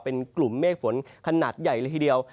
เป็นกลุ่มเมฆฝนขนาดใหญ่เลยทีเดียว